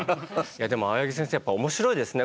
でも青柳先生やっぱ面白いですね